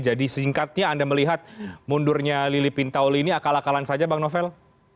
jadi singkatnya anda melihat mundurnya lili pintauli ini akal akalan saja bang novel